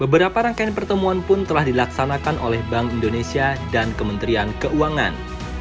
beberapa rangkaian pertemuan pun telah dilaksanakan oleh bank indonesia dan kementerian keuangan